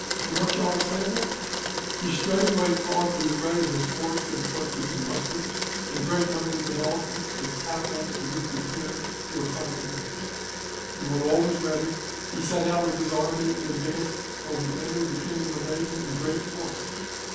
And what shall I say of it ? He straightway caused the array of his horse and foot to be mustered, and great numbers of elephants with castles to be prepared to accom pany them ;■* and when all was ready he set out with his army and advanced till he entered the Kingdom of Aden in great force.